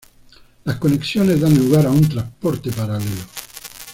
Las conexiones dan lugar a un transporte paralelo.